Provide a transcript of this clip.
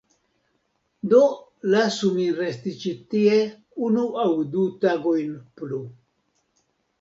Do lasu min resti ĉi tie unu aŭ du tagojn plu.